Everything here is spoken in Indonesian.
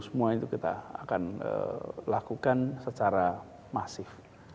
semua itu kita akan lakukan secara masif